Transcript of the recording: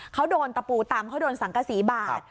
เขาโดนตะปูตำเขาโดนสังกษีบาด